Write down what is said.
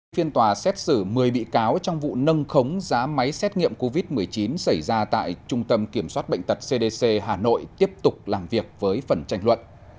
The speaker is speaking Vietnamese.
phiên tòa xét xử một mươi bị cáo trong vụ nâng khống giá máy xét nghiệm covid một mươi chín xảy ra tại trung tâm kiểm soát bệnh tật cdc hà nội tiếp tục làm việc với phần tranh luận